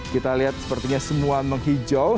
kita lihat sepertinya semua menghijau